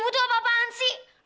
ibu tuh apa apaan sih